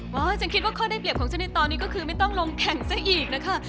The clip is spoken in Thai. ฉันคิดว่าข้อได้เปรียบของฉันในตอนนี้ก็คือไม่ต้องลงแข่งซะอีกนะคะ